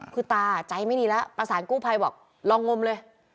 คือตาใจไม่ดีแล้วประสานกู้ภัยบอกลองงมเลย